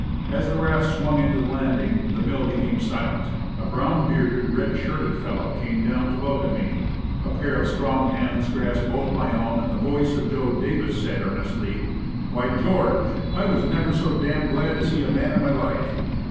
As the raft swung into the landing the mill became silent; a brown bearded, red shirted fellow came down to welcome me, a pair of strong hands grasped both my own, and the voice of Joe Davis said ear nestly, "Why, George! I never was so d d glad to see a man in my life!"